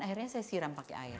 akhirnya saya siram pakai air